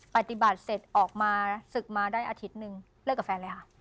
ปฏิบัติเสร็จออกมาศึกมาได้อาทิตย์นึงเลิกกับแฟนเลยค่ะ